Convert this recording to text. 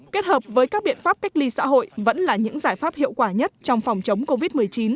kết hợp với các biện pháp cách ly xã hội vẫn là những giải pháp hiệu quả nhất trong phòng chống covid một mươi chín